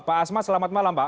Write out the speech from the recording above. pak asma selamat malam pak